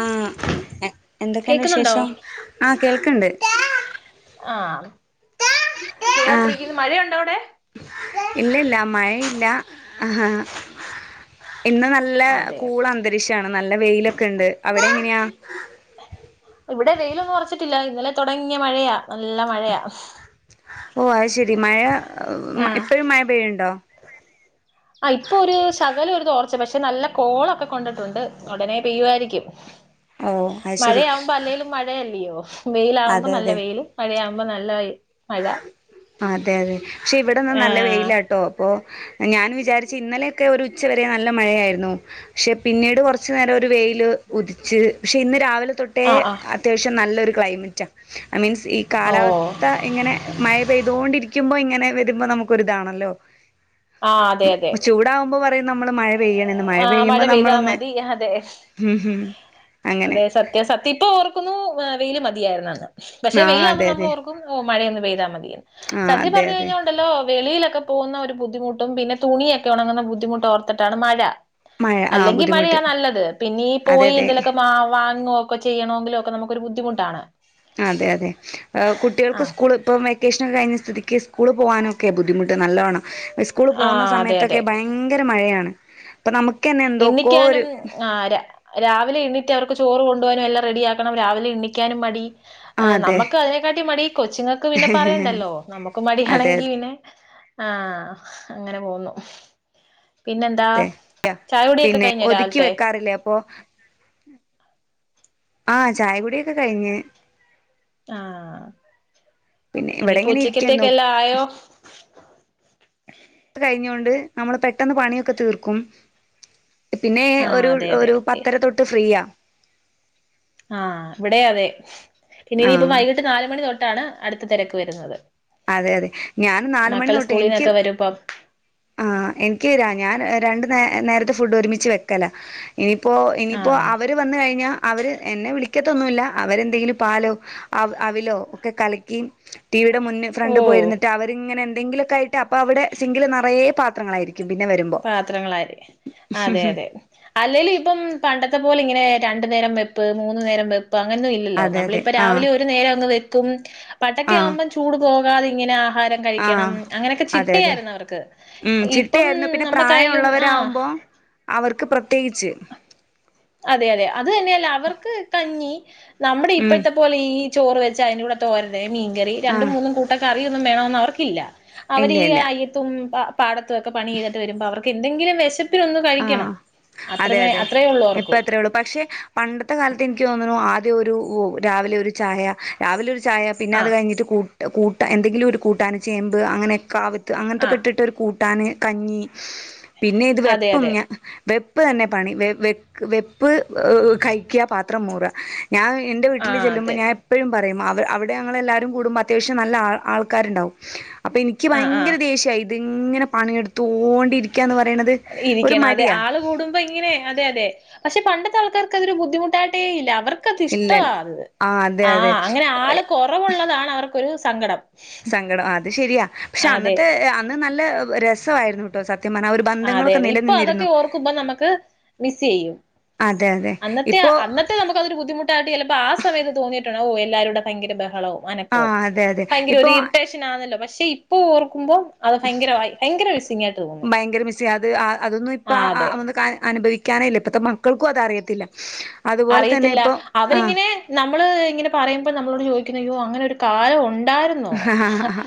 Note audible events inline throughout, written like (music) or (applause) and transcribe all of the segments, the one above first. ആ എന്തൊക്കെണ്ട് കേക്കുന്നുണ്ടോ വിശേഷം ആ കേൾക്കണ്ട് ആ ആഹ് സുഖാട്ടിരിക്ക്ന്ന് മഴയുണ്ടോ അവ്ടെ ഇല്ല ഇല്ല മഴയില്ല അ ഹാ ഇന്ന് നല്ല അതെ കൂളന്തരീക്ഷാണ് നല്ല വെയിലൊക്കെണ്ട് അവ് എങ്ങനെയാ ഇവ്ടെ വെയിലൊന്നും ഒർച്ച്ട്ടില്ല ഇന്നലെ തൊടങ്ങിയ മഴയാ നല്ല മഴയാ ഓ അത്ശെരി മഴ ഇപ്പഴും മഴ പെയ്യ്ണ്ടോ ആ ഇപ്പൊ ഒര് ശകലം ഒരു തോർച്ച പക്ഷെ നല്ല കോളൊക്കെ കൊണ്ട്ട്ടുണ്ട് ഉടനെ പെയ്യുവായിരിക്കും ഓഹ് അത് ശെരി മഴയാവുമ്പോ അല്ലേലും മഴയല്ലിയോ വെയ്ലാക്മ്പോ അതെ നല്ല അതെ വെയ്ലും മഴയാക്മ്പോ നല്ല മഴ അതെ അതെ ക്ഷെ ഇവ്ടെന്നാ നല്ല ആഹ് വെയിലാട്ടോ പ്പൊ ഞാനും വിചാരിച്ച് ഇന്നലെയൊക്കെ ഒര് ഉച്ചവരെ നല്ല മഴയായ്ര്ന്നു പക്ഷെ പിന്നീട് കൊർച്ച് നേരൊര് വെയ്ല് ഉദിച്ച് പക്ഷെ ഇന്ന് രാവിലെ തൊട്ടേ ആഹ് ആഹ് അത്യാവശ്യം നല്ലൊര് ക്ലൈമറ്റാ അ മീൻസ് ഈ ഓ കാലാവസ്ഥ മയ പെയ്തോണ്ടിരിക്കുമ്പോ ഇങ്ങനെ വര്മ്പോ നമുക്കൊര്താണല്ലോ ആ അതെ അതെ പറയും നമ്മള് മഴ പെയ്യണെന്ന് ആ മഴ പെയ്യുമ്പോ പെയ്താ നമ്മളൊന്ന് മതി അതെ ഉം ഉം അങ്ങനെ അതെ സത്യ സത്യ ഇപ്പ ഓർക്കുന്നു വെയില് മതിയാര്ന്നന്ന് പക്ഷെ ആ വെയിലാമ്പോ അതെ അതെ നമ്മള്ഓർക്കും ഒ മഴ ഒന്ന് പെയ്ത മ തിന് ആ സത്യം അതെ പറഞ്ഞു അതെ കഴിഞ്ഞാൽ ഉണ്ടല്ലോ വെളിയിലൊക്കെ പോകുന്ന ഒരു ബുദ്ധിമുട്ടും പിന്നെ തുണിയൊക്കെ ണങ്ങുന്ന ബുദ്ധിമുട്ടുംഓർ ട്ടാണ് മഴ മഴ ആ അല്ലെങ്കിൽ മഴയാ ബുദ്ധിമുട്ട് നല്ലത് പിന്നെയി അതെ പോയി അതെ എന്തലുമൊക്കെ മാവാ അങ്ങോക്കെ ചെയ്യണെങ്കില് ഒക്കെ നമുക്ക് ഒരു ബുദ്ധിമുട്ടാണ് അതെ അതെ ആ കുട്ടികൾക്ക് സ്കൂൾ ഇപ്പം വെക്കേഷൻ കഴിഞ്ഞ സ്ഥിതിക്ക്‌ സ് സ്കൂൾ പോകാനൊക്കെ ബുദ്ധിമുട്ട് നല്ലവണ്ണം സ്കൂളിൽ ആ പോകുന്ന അതെ അതെ സമയത്തൊക്കെ ഭയങ്കര മഴയാണ് അപ്പൊ നമുക്കന്നെ എന്തൊക്കോ ഒരു എണ്ണിക്കാനും ആരാവിലെ എണീറ്റ് അവർക്ക് ചോറ് കൊണ്ടുവാനും എല്ലാം റെഡിയാക്കണം രാവിലെ എണ്ണിക്കാനും മടി ആ ആഹ് അതെ നമ്മക്ക് അതിനെക്കാട്ടി മടി കൊച്ചുങ്ങൾക്ക് പിന്നെ പറയണ്ടല്ലോ നമുക്കും മടി അതെ ആണെങ്കി പിന്നെ ആ അങ്ങനെ പോവുന്നു പിന്നെന്താ അതെ ചായകുടിയൊക്കെ പിന്നെ കഴിഞ്ഞോ ഒതുക്കി രാവിലത്തെ വെക്കാറില്ലേ അപ്പൊ ആ ചായകുടിയൊക്കെ കഴിഞ്ഞ് ആ പിന്നെ ഇവിടെ ഇനിപ്പോ ഇങ്ങനെ ഇരിക്കായിരുന്നു ഉച്ചക്കത്തേക് എല്ലാം ആയോ കഴിഞ്ഞോണ്ട് നമ്മള് പെട്ടന്ന് പണിയൊക്കെ തീർക്കും പിന്നെ ആഹ് ഒരു അതെ അതെ ഒരു പത്തര തൊട്ട് ഫ്രീയാ ആഹ് ഇവിടെ അതെ പിന്നെ ഇനിയിപ്പം ആഹ് വൈകിട്ട് നാലുമണി തൊട്ടാണ് അടുത്ത തെരക്ക് വരുന്നത് അതെ അതെ ഞാൻ നാല് മണി മക്കള് തൊട്ട് എനിക്ക് സ്കൂളിന്നൊക്കെ വരുമ്പം ആ എനികരാ ഞാൻ രണ്ട് നേ നേരത്തെ ഫുഡ് ഒരുമിച്ച് വെക്കല ഇനിയിപ്പോ ഇനിയിപ്പോ ആഹ് അവര് വന്ന് കഴിഞ്ഞാ അവര് എന്നെ വിളിക്ക കഴിക്കത്തൊന്നുമില്ല അവരെന്തെങ്കിലും പാലോ അവ അവിലോ ഒക്കെ കലിക്കി ടിവിയുടെ മുന്നേ ഫ്രണ്ട് ഓഹ് പോയിരിന്ന്‌ട്ട് അവരിങ്ങനെ എന്ത ന്തെകിലൊക്കെ ആയിട്ട് അപ്പൊ അവടെ സിങ്കില് ന കൊറേ പാത്രങ്ങളായിരിക്കും പിന്നെ വരുമ്പോ പാത്രങ്ങളര് അതെ അതെ അല്ലേലും ഇപ്പം പണ്ടത്തെ പോലെ ഇങ്ങനെ രണ്ടു നേരം വെപ്പ് മൂന്ന്‌ നേരം വെപ്പ് ഇപ്പോ അങ്ങനൊന്നും ഇല്ലല്ലോ അതെ അതെ നമ്മളിപ്പോൾ ആഹ് രാവിലെ ഒരു നേരം അങ്ങ് വെ തും പണ്ടൊക്കെ ആഹ് ആവുമ്പോ ചൂട് പോ (unintelligible) ഇങ്ങനാ ആഹാരം കഴിക്കണം ആഹ് അങ്ങനൊക്കെ ചിട്ടയാരുന്നു അവർക്ക് ഇപ്പം യരുന്നു പിന്നെ നമ്മക്കായാലും ആഹ് പ്രായമുള്ളവരാകുമ്പോ അവർക്ക് പ്ര തെകിച്ച് അതെ അതെ അത് തന്നെയല്ല അവർക്ക് കഞ്ഞി നമ്മുടെ ഉം ഇപ്പഴ്ത്തെ പോലെ ഈ ചോറ് വെച്ചാ അയിന്റെ കൂടെ തോരന് മീൻകറി രണ്ടും ആഹ് മൂന്നും കൂട്ടം കറ് റിയൊന്നും വേണോന്ന് അവർക്കില്ല ഇല്ല അവരി ഇല്ല അയത്തും പ പാടത്തൊക്കെ പണി ചെയ്തിട്ട് വരുമ്പോ അവർക്ക് എന്തെങ്കിലും വെശപ്പ് ത്ത്രി ഒന്ന് കഴിക്കണം അത്രമേ അത്രയേ ള്ളോർക്ക് പത്രെള്ളു പക്ഷെ പണ്ടത്തെ കാലത്ത് എനിക്ക് തോ ആദ്യം ഒരു രാവിലെ ഒരു ചായ രാവിലെ ഒരു ചായ പിന്നെ അത് ആഹ് കഴിഞ്ഞിട്ട് കൂ കൂട്ട എന്തെങ്കിലും ഒരു കൂട്ടാന് ചേമ്പ് അങ്ങനെക്കെ അവ അങ്ങനത്തൊക്കെ ആഹ് ഇട്ടിട്ട് ഒരു കൂ ട്ടാന് കഞ്ഞി പിന്നെ ഇത് വെപ് അതെ പ്പം അതെ ഞ്ഞാ വെപ്പ് തന്നെ പണി വെ വെ വെപ്പ് കഴിക്കാ പാത്രം മോറ്ക ഞാൻ എന്റെ വീട്ടിൽ ആഹ് ചെല്ലുമ്പോ അതെ ഞാൻ എപ്പഴും പറയും മാ അവിടെ ഞങ്ങൾ എല്ലാവാരും കൂടുമ്പോൾ അത്യാവശ്യം നല്ല ആൾ ആൾക്കാരുണ്ടാവും അപ്പൊ എനിക്ക് ആഹ് ആഹ് ഭയങ്കര ദേഷ്യായി ഇങ്ങനെ പണിയെടുത്തോണ്ടി ഇരിക്കാന്ന് പറയണത് ഒരു ക്കെയാണ് അതെ മടിയാ ആള് കൂടുമ്പോ ഇങ്ങനെ അതെ അതെ പക്ഷെ പണ്ടത്തെ ആൾക്കാർക്ക് അതൊരു ബുദ്ധിമുട്ടായിട്ടേ ഇല്ല അവർക്ക് വർക്ക് അത് ഇല്ലല്ല ഇഷ്ടാവാത് അതെ ആ അതെ അങ്ങനെ ആൾ കുറവുള്ളതാണ് അവർക്ക് ഒരു സങ്കടം സങ്കടം അത് ശെരിയാ പക്ഷെ അതെ അന്നത്തെ അന്ന് നല്ല രസായിരുന്നു ട്ടോ സത് ആ അതെ അതെ ഇപ്പൊ അതൊക്കെ ഓർക്കുമ്പോ നമുക്ക് മിസ് ചെയ്യും അതെ അതെ അന്നത്തെ ഇപ്പോ അന്നത്തെ നമുക്ക് അതൊരു ബുദ്ധിമുട്ടായിട്ട് ചിലപ്പോ ആ സമയത്ത് തോന്നി കിട്ടാണ ഓ എല്ലാരുടെ ഭയങ്കര ബഹളാവും ആ അനക്കവും അതെ അതെ ഭയങ്കര ഒരു ഇപ്പോ ഇറിട്ടേഷൻ ആണല്ലോ പക്ഷെ ഇപ്പൊ ഓർക്കുമ്പം അത് ഭയങ്കരമായി ഭയങ്കര മിസിംങ് ആയിട്ട് തോന്നും ഭയങ്കര മിസ്സി അത് അതൊന്നും ഇപ്പ ആ ആ അനുഭവിക്കാനല്ലേ ഇപ്പത്തെ മക്കൾക്കും അത്അറിയത്തില്ല അറിയത്തില്ല അവരിങ്ങനെ നമ്മള് ഇങ്ങനെ പറയുമ്പോ നമ്മളോട് ചോദി അയ്യോ അങ്ങനെ ഒരു കാലം ഒൺ ഉണ്ടായിരുന്നോ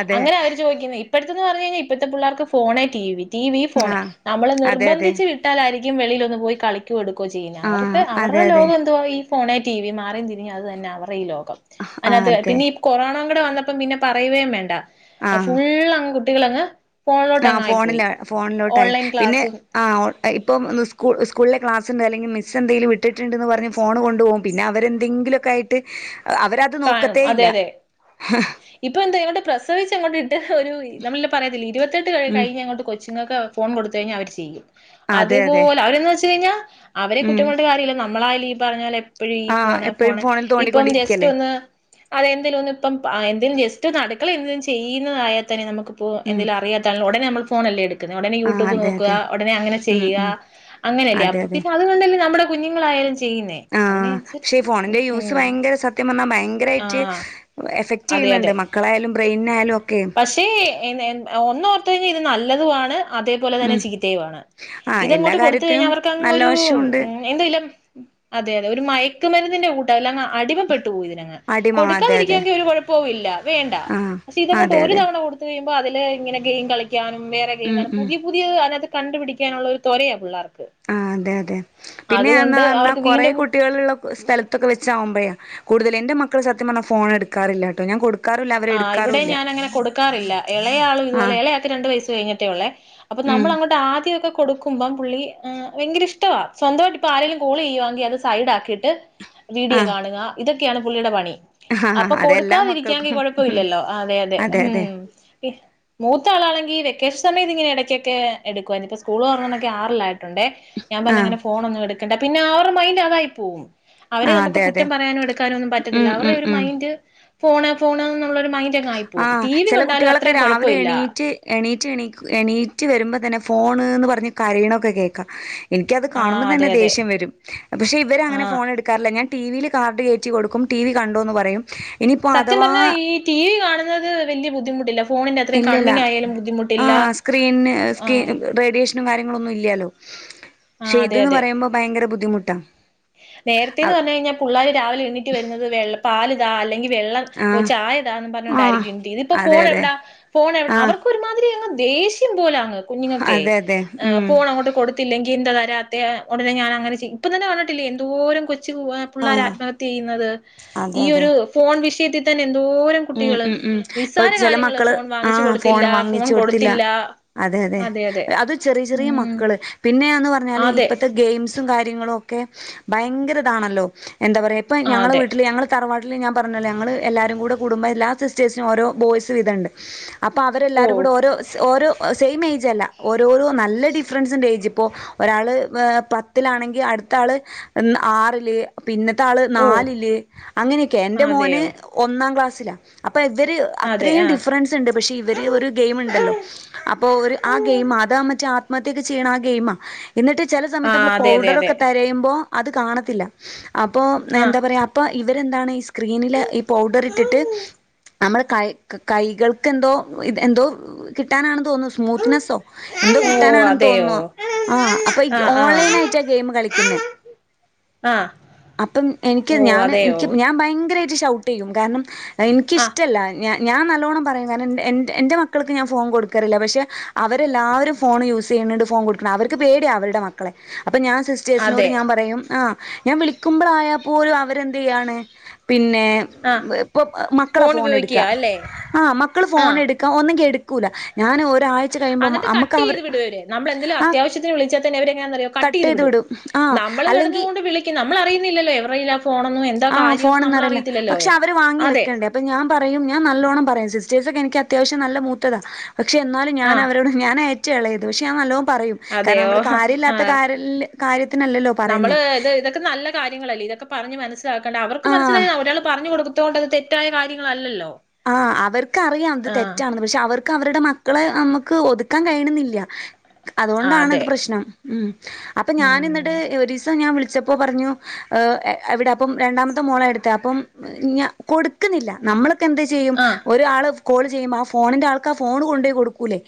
അതെ അങ്ങനെ അവര് ചോദിക്കുന്നെ ഇപ്പഴത്തെന്ന് പറഞ്ഞു കഴിഞ്ഞാൽ ഇപ്പോഴത്തെ പിള്ളേർക്ക് ഫു ഫോണെ, T V T V, phone ആഹ് നമ്മള് അതെ അതെ നിർബന്ധിച്ച് വിട്ടാലായിരിക്കും വെളിലൊന്ന് പോയി കളിക്കൊ എടു കോ ചെയ്യുന്ന അവർക്ക് ആഹ് അവ അവർറെ അതെ അതെ ലോകം എന്തുവാ ഈ ഫോണെ, ടി വി മാറി തിരിഞ്ഞ് അത് തന്നെ അവറെ ഈ ലോകാം അനത് ആഹ് അതെ പിന്നെ ഈ കൊറോണ അതുടെ വന്നപ്പം പിന്നെ പറയുവേം വേണ്ട അ ഫുൾ അങ്ക് കുട്ടികളെന്ന് ആ ഫോണില ഫോണിലോട്ടായി പിന്നെ ക്ലാസ്സും ആ ഓ ഇപ്പ ഇന്നു ഈസ് ഈസ്കൂളിലെ ക്ലാസ്ണ്ട് അല്ലെങ്കിൽ മിസ്സ്‌ എന്തെങ്കിലും വിട്ടിട്ടുണ്ട്ന്ന് പറഞ് ഫോൺ കൊണ്ട് പോം പിന്നെ അവരെ എന്തെങ്കിലുക്കയിട്ട് അവരത് കാണും. നോക്കത്തേ അതെ ഇല്ല പ്രസവിച്ചങ്ങോട്ടിട്ട് ഒരു നമ്മള് ഇല്ലെ പറയത്തില്ലേ ഇരുപത്തെട്ട് ഉം കഴിഞ്ഞ് അങ്ങോട്ട് കൊച്ച് ഇങ്ങക്ക് ഫോൺ കൊടുത്ത് കഴിഞ്ഞാ അവര് ചെയ്യും. അതേ അതെ അതെ പോലെ അവരെന്ന് വെച്ച് കഴിഞ്ഞാ അവരെ ഉം കുറ്റം പറഞ്ഞിട്ട് കാര്യല്ല. ന മ്മളായാല് ഈ പറഞ്ഞ പോലെ എപ്പഴും ഈ ആഹ് ഫോണ് എപ്പോഴും ഫോണ് ഫോണിൽ ഇപ്പം ജസ് തോണ്ടിക്കൊണ്ടിരിക്കല്ലേ റ്റൊന്ന് അതെന്തേലും ഒന്ന് ഇപ്പം എന്തേലും ജസ് സ്‌റ്റൊന്ന് അടുക്കളയിൽ എന്തേലും ചെയ്യുന്നതായ തന്നെ നമക്ക് നമുക്കിപ്പോ ഉം എന്തേലും അറിയാണേൽ ഒടനെ നമ്മൾ ഫോണല്ലേ എടുത് ഉടനെ ആഹ് യൂട്യൂബ് അതെ നോക്കുക അതെ ഒടനെ അങ്ങനെ ഉം ചെയ്യ്യ ഉം അങ്ങനെല്ലേ അതെ അപ്പൊ അതെ പിന്നെ അത് കണ്ടല്ലേ നമ്മൾ കുഞ്ഞുങ്ങളായാലും ചെയ്യുന്നേ ആഹ് അതിനനുസരിച്ച് മ് ഭയങ്കരയിറ്റ് എഫക്ട് ചെയ്യ്ന്നുണ്ട് മക്കളായാലും ബ്രെയിനായാലും ഒക്കെ പക്ഷെ ഒന്നോർത്ത് കഴിഞ്ഞാൽ ഇത് നല്ലതുമാണ് അതേപോലെ തന്നെ ഉം ചീത്തയു ആണ് ആഹ് എല്ലാ ഇതങ്ങോട്ട് കൊടുത്ത് കഴിഞ്ഞ കാര്യത്തിനും നല്ല അവർക്കങ്ങൊരു വശമുണ്ട് എന്തെലും അതെ അതെ തെ ഒരു മയാ ക്ക്‌ മരുന്നിന്റെ കൂട്ട് അല്ലങ്ങ അടിമപ്പെട്ടു പോയി ഇതിനങ്ങ് അടിമ അതെ അതെ കൊടുക്കാതിരിക്കാവങ്കിൽ ഒരു കൊഴപ്പവും ഇല്ല വേണ്ട ആഹ് പക്ഷെ ഇതങ്ങോട്ട് അതെ ഒരു അതെ തവണ കൊടുത്ത് കയുമ്പോ അപ്പ അതിലെ ഇങ്ങനെ ഗെയിം കളികും ക്കാനും വേറെ ഉം ഗെയിംങ്ങൾ ഉം പുതിയ പുതിയ അതായത് കണ്ടുപിടിക്കാനുള്ള ഒരു തൊരയാ പിള്ളേർക്ക് ആ അതെ അതെ പിന്നെ ന്ന് അതുകൊണ്ട് പറഞ്ഞാ അവർക്ക് കൊറേ വീണ്ടും കുട്ടികളുള്ള സ്ഥലത്തൊക്കെ വെച്ചാവുമ്പേ കൂടുതൽ എന്റെ മക്കൾ സത്യം പറഞ്ഞാ ഫോൺ എടുക്കാറില്ലാട്ടോ ഞാൻ കൊടുകാ ആ ഇവിടെ ഞാനങ്ങനെ കൊടുക്കാറില്ല ഇളയാളും ഇതുപോലെ ആഹ് ഇളയാൾക്ക് രണ്ടു വയസ് കഴിഞ്ഞിട്ടേ ഉള്ളേ അപ്പ ഉം നമ്മളങ്ങോട്ട് ആദ്യോക്കെ കൊടുക്കുമ്പം പുള്ളി ഭയങ്കര ഇഷ്ട സ്വന്തമായിട്ട് ആരെങ്കിലും കോള് ചെയ്യുവാണങ്കിൽ അത് സൈഡ് ആക്കിട്ട് വീഡിയോ കാണുക ഇതെക്കെ ഒക്കെയാണ് പുള്ളിടെ പണി അതെല്ലാ മക്കൾക്കും ഇപ്പ ഇല്ലല്ലോ അതെ അതെ ഉം മൂത്ത ആളാണെങ്കിൽ വെക്കെഷ് സമയെണ്ടങ്കിൽ ഇടയ്ക്കൊക്കെ എടുക്കുവായിരുന്നു ഇപ്പ സ്കൂള് തുറന്നപ്പോൾ ആറിലായിട്ടുണ്ടേ ഞാൻ ആഹ് പറഞ്ഞങ്ങനെ ഫോണൊന്നു എടു ക്കണ്ട പിന്നെ ആ വരെ മൈന്റ് അതായി പോവും അവരെ ആഹ് നമുക്ക് അതെ അതെ കുറ്റം പറയാനോ എടുക്കാനോ ഒന്നും പറ്റത്തില്ല ഉം അവറെ ഉം ഒരു ഉം മൈൻഡ് ഫോണ് ഫോണെന്ന്‌ പിള്ളൊര് മൈൻഡ് ആ ചെല കുട്ടികളൊക്കെ രാവിലെ കുഴപ്പമില്ല എണീറ്റ് എണീറ്റ് എണീ എണീറ്റ് വരുമ്പോ തന്നെ ഫോണ്ന്ന് പറഞ്ഞ് കരയണൊക്കെ കേക്കാം എനിക്കത് കാണുമ്പോ ആഹ് അതെ തന്നെ അതെ ദേഷ്യം വരും. പക്ഷേ ഇവരങ്ങനെ ആഹ് ഫോൺ എടുക്കാറില്ല. ഞാൻ ടിവില് കാർഡ് കേറ്റി കൊടുക്കും. ടിവി കണ്ടോന്ന് പറയും. ഇനിയിപ്പോ സത്യം അഥവാ പറഞ്ഞാ ഈ ടിവി കാണു ന്നത് വെല്ല്യ ബുദ്ധിമുട്ടില്ല. ഫോണിന്റെ അത്രയും ഇല്ലില്ല കണ്ണിനായാലും ആ ബുദ്ധിമുട്ടില്ല സ്ക്രീന് സ്കി ആഹ് റേഡിയേഷ നും കാര്യങ്ങളൊന്നും ഇല്ല്യാല്ലോ. ക്ഷെ ആഹ് ഇത് അതെ ന്ന് അതെ പറയുമ്പോ ഭയങ്കര ബുദ് ദ്ധിമുട്ടാ നേരത്തേന്ന് പറഞ്ഞു കഴിഞ്ഞാൽ പുള്ളാര് രാവിലെ എണീറ്റ് വരുന്നത് വെള്ള പാല് താ അല്ലെങ്കി വെള്ളം ഓ ചായതാന്ന് ആഹ് പറഞ്ഞോണ്ടായിരിക്കും ഇതിപ്പോ അതെ അതെ ഫോണെവിടാ ഫോണെവിടാ ആഹ് അവർക്കൊരുമാതിരി അങ്ങ് ദേശ്യം പോലാ കുഞ്ഞുങ്ങൾക്കെ അതെ അതെ ഏഹ് ഉം ഫോണങ്ങോട്ട് കൊടുത്തില്ലെങ്കി എന്ത (unintelligible) ഉടനെ ഞനങ്ങനെ ചെയ്യും ഇപ്പം തന്നെ (unintelligible) ട്ടിലെ എന്തോരം കൊ കൊച്ചു പുള്ളാരാ ആഹ് ആത്മഹത്യ ചെയ്യുന്നത് അതെ അതെ ഈയൊരു ഫോൺ വിഷ (unintelligible) ഉം ഉം ഉം ഇപ്പ ചെല കാര്യങ്ങള് മക്കള് ഫോൺ ആ വാങ്ങിച്ചു ഫോൺ കൊടുത്തില്ല വാങ്ങിച്ചു കൊടുത്തില്ല അതെ അതെ അത് ചെറിയ ചെറിയ ഉം മക്കള് പിന്നെയാന്ന് പറഞ്ഞാല് അതെ ഇപ്പത്തെ ഗെയിംസും കാര്യങ്ങളും ഒ ഒക്കെ ഭയങ്കരതാണല്ലോ എന്താ പറയുക ഇപ്പ ആ ഞങ്ങളെ അതെ വീട്ടില് ഞങ്ങള് തറവാട്ടില് ഞാൻ പറഞ്ഞല്ലോ ഞങ്ങള് എല്ലാരും കൂടെ കുടുംബം എല്ലാ സിസ്റ്റേഴ്സിനും ഓരോ ബോയ്സ് വീതംണ്ട് അപ്പ ഓ അവരെല്ലാരും കൂടെ ഓരോ സ് ഓരോ സെയിം ഏജ് അല്ല ഓരോരോ നല്ല ഡിഫറൻസിണ്ട് ഏജ് ഇപ്പോൾ ഒരാള് പത്തിലാണെങ്കിൽ അടുത്ത ആള് ആറില് പിന്നത്തെ ആള് ഓ നാലില് അങ്ങനെയക്കെ എന്റെ മോന് അതെയോ ഒന്നാം ക്ലാ സില അ പ്പ ഇവര് അതെ അത്രയും ആ ഡിഫറൻസ് ഉണ്ട് പക്ഷെ ഇവര് ഒരു ഗെയിം ഉണ്ടല്ലോ അപ്പോ ഒരു ആ ഗെയിം അതാ മറ്റേ അ മറ്റേക്കെ ചെയ്യ്ണ ആ ഗെയിമ എന്നിട്ട് ചില ആ സമയത്ത് നമ്മൾ അതെ അതെ അതെ പൗഡറൊക്കെ തെരയുമ്പോ അത് കാണത്തില്ല അപ്പൊ ആ എന്താ പറയാ അപ്പൊ ഇവരെന്താണ് ഈ സ്ക്രീനില് ഈ പൗഡറ് ഇട്ടിട്ട് നമ്മൾ കൈ കൈകൾക്ക് എന്തോ എന്തോ കിട്ടാനാണ് തോന്നുന്നു സ്മൂത്ത്‌നെസ്സോ എന്തോ ഓ കിട്ടാനാണ് അതെയോ തോന്നുന്നു ആ ആ ആ ഓൺലൈൻ ആയിട്ടാ ഗെയിം കളിക്കിന്നെ ആ അപ്പം എനിക്ക് ഓ ഞാൻ അതെയോ എനിക്ക് ഞാൻ ഭയങ്കരാ ഷൗട്ടെയ്യും കാരണം ആ എനിക്കിഷ്ടല്ല ഞാൻ ഞാൻ നല്ലോണ്ണം പറയും കാരണം എന് എന് എന്റെ മക്കൾക്ക് ഞാൻ ഫോൺ കൊടുക്കാറില്ല, പക്ഷേ അവരെല്ലാവരും ഫോൺ യൂസ് ചെയ്യണുണ്ട് ഫോൺ കൊടുക്കണം അവർക്ക് പേടിയ അവരുടെ മക്കളെ. അപ്പം ഞാൻ സിസ്റ്റേ്സിനോട് അതെ ഞാൻ പറയും ആഹ് ഞാൻ വിളിക്കുമ്പോളായാപ്പോലും അവരെന്ത് ചെയ്യാണ് പിന്നെ ആ (unintelligible) മക്കളാ ഫോൺ എടുക്ക ഉപയോഗിക്കുക അല്ലേ ആ മക്കള് ഫോൺ എടുക്ക ഒന് ന്നെങ്കി എടുക്കൂല ഞാൻ ഒ അന്നിട്ട് കട്ട് ചെയ്ത് വിടു അവര്, നമ്മൾ എന്തെലും ആ അത്യാവശ്യത്തിന് വിളിച്ചാൽ തന്നെ അവരെങ്ങന്നാനറിയാവോ കട്ട് ചെയ്ത് വിടും, നമ്മള് കെടന്നു കൊണ്ട് വിളിക്കും നമ്മൾ അറിയുന്നില്ലല്ലോ എവരുടെ കയ്യിലാ ഫോണൊന്നും എ ആ ഫോൺന്ന് അറിയില്ല പക്ഷേ അവര് വാങ്ങി അതെ വെക്കേണ്ടേ? അപ്പ ഞാൻ പറയും ഞാൻ നല് ല്ലോണം പറയും, സിസ്റ്റേഴ്സ് ഒക്കെ എനിക്ക് അത്യാവശം നല്ല മൂത്തതാ പക്ഷേ എന്നാലും ഞാൻ ആഹ് അവരോട് ഞാനാ ഏറ്റവും എളയത്. ദേഷ്യ ആന്നല്ലോ. പറയും കാരണം അതെയോ നമ്മള് കാര്യം ഇല്ലാത്ത ആഹ് കാര്യല് കാര്യത്തിനല്ലല്ലോ പറയുന്നേ? നമ്മള് സ്സിലാക്കണ്ട അവർക്ക് ആഹ് മനസിലായ ഒരാള് പറഞ്ഞു കൊടുത്തു കൊണ്ട് തെ തെറ്റായ കാര്യങ്ങളല്ലല്ലോ? ആ അവർക്ക് അറിയാം ഇത് ആഹ് തെറ്റാന്ന്, പക്ഷേ അവർക്ക് അവരുടെ മക്കളെ നമുക്ക് ഒതുക്കാൻ കഴിയണന്നില്ല. അതുകൊണ്ടാാണ് അത് അതെ പ്രശ്നം, മ് അപ്പ ഞാന് ഉം എന്നിട്ട് ഒരുസം ഞാൻ വിളി ച്ചപ്പോ പറഞ്ഞു ഏ എ എവിടെ അപ്പം രണ്ടാമത്തെ മോളാ എടുത്തെ അപ്പം ഞാ കൊടുക്കുന്നില്ല നമ്മള് ക്ക് എന്ത് ചെയ്യും ആഹ് ഒരാള് കോൾ ചെയ്യുമ്പ ആ ഫോണിന്റെ ആൾക്ക് ആ ഫോൺ കൊണ്ടുപോയി കൊടുക്കൂല്ലേ.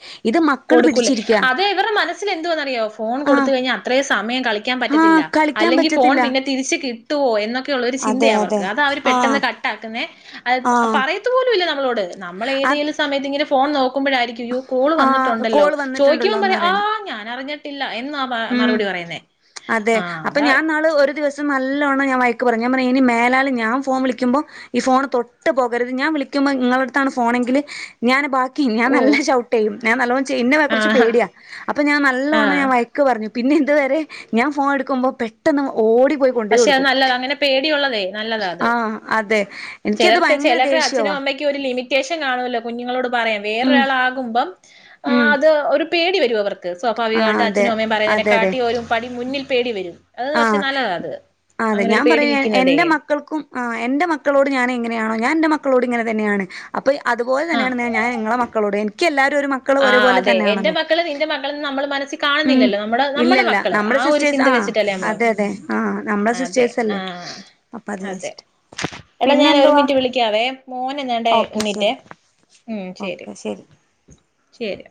കൊടുക്കൂല്ലേ? അത് ഇവരുടെ മനസ്സിൽ എന്തുവാന്നറിയാവോ ഫോൺ കൊടുത്ത ആഹ് കഴിഞ്ഞാ അത്രേം സമയം കളിക്കാൻ പറ്റത്തില്ല ആഹ് കളിക്കാൻ അല്ലെങ്കിൽ ഫോൺ പറ്റത്തില്ല പിന്നെ തിരിച്ച് കി ട്ടുവോ എന്നൊക് ക്കെയുള്ളൊരു അതെ ചിന്തയ അതെ അവർക്ക്, അത് അവര് പെട്ടെന്ന് ആഹ് കട്ടാക്കുന്നേ, അത് ആഹ് പറയത്തു പോലും ഇല്ല നമ്മളോട് നമ്മള് ഏതേലും സമയത്ത് ഇങ്ങനെ ഫ് ഫോൺ നോക് ക്കുമ്പോഴായിരിക്കും അയ്യോ കോൾ വന്ന ആഹ് ല്ലോ? കോള് ചോദിക്കുമ്പം വന്നിട്ടുണ്ടല്ലോന്ന് പറയും ആ അറിയണം ഞാന പറഞ്ഞിട്ടി ല്ല എന്നും ആ മ ഉം മറുപടി പറയുന്നേ, ആ അതാ സം നല്ലോണം ഞാൻ വയക്ക് പറഞ്ഞ്, ഞാൻ പറഞ്ഞ് ഇനി മേലാല് ഞാൻ ഫോൺ വിളിക്കുമ്പോ ഈ ഫോൺ തൊട്ട് പോകരുത് ഞാൻ വിളിക്കുമ്പോ ഇങ്ങളടുത്താണ് ഫോണെങ്കില് ഞാന് ബാ ഞാൻ ഓ നല്ല ഷൗട്ട് ചെയ്യും, ഞാൻ നല്ലോണം ചീ ഇന്നെ കുറച്ച് ആഹ് പേടിയ, അപ്പം ഞാൻ നല്ലവണ്ണം ആഹ് ഞാൻ വയ ക്ക് പറഞ്ഞു പിന്നെ ഇതു വരെ ഞാൻ ഫോൺ എടുക്കുമ്പോ പെട്ടെന്ന് ഓടി പോയി കൊണ്ടോയി പക്ഷെ അത് കൊടുക്കും നല്ലതാ. അങ്ങനെ പേടിയുള്ളതേ നല്ലതാ അത്. ആഹ് അതെ എനിക്കത് ചിലർക്ക് ഭയങ്കര ചിലർക്ക് അച്ഛനും ദേഷ്യവാ അമ്മയ്ക്കും ഒരു ലിമിറ്റേഷൻ കാണുമല്ലോ കുഞ്ഞുങ്ങളോട് പറയാം. ഉം വേറൊരാളാകുമ്പം ആ ഉം അത് ഒരു പേടി വെരും അവർ ആഹ് സ്വാഭാവികമായിട്ട് അതെ അച്ഛനും, അമ്മയും, പറയുന്നേനെ അതെ അതെ കാട്ടി ഒരു പടി മുന്നിൽ പേടി വെരും. അത് പക്ഷെ ആഹ് നല്ലതാ അത്. അതെ അങ്ങനെ ഒരു ഞാൻ പേടി പറയാ നിക്കുന്നതേ എന്റെ മക്കൾക്കും ആ എന്റെ മക്കളോട് ഞാൻ എങ്ങനെയാണോ ഞാൻ എന്റെ മക്കളോട് ഇങ്ങനെ തന്നെയാണ് അപ്പൊ അതുപോലെ ആഹ് തന്നെയാണ് ഞാൻ നിങ്ങടെ മക്കളോട് എൻ ക്കെല്ലാ ആഹ് അതെ, എന്റെ മക്കള് നിൻറെ മക്കള്ന്ന് നമ്മള് മനസ്സി ഉം കാണുന്നില്ലല്ലോ, നമ്മള് നമ്മടെ ഇല്ലല്ല മക്കള്, ആ നമ്മുടെ ഒരു സിസ്റ്റേഴ്സ് ചിന്ത ആഹ് വെച്ചിട്ടല്ലേ അതെ അതെ (unintelligible) (unintelligible) ആഹ് നമ്മളെ അതെ സിസ്റ്റേഴ്സ് അല്ലേ ആഹ് അപ്പൊ അത് അതെ വിചാരിച്ചിട്ട് എടാ പിന്നെ ഞാൻ ഒരു എന്തുവാ മിനിറ്റ് വിളിക്കാവേ, മോനെങ്ങാണ്ടേ ഓക്കെ എണീറ്റെ ശരി ഉം ശെരി ഓക്കെ ശരി ശെരിയാ